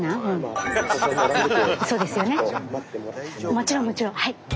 もちろんもちろん。